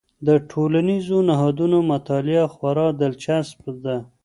د ټولنیزو نهادونو مطالعه خورا دلچسپ ده.